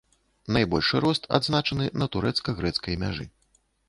Найбольшы рост адзначаны на турэцка-грэцкай мяжы.